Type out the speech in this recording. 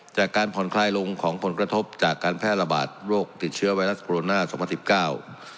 จากการผ่อนคลายลงของผลกระทบจากการแพร่ระบาดโรคติดเชื้อไวรัสโรนาสองพันสิบเก้า